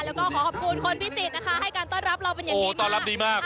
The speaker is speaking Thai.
แล้วก็ขอขอบคุณคนพิจิตรนะคะให้การต้อนรับเราเป็นอย่างดีต้อนรับดีมาก